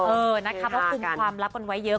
เออนะครับกลุ่มความลับกันไว้เยอะ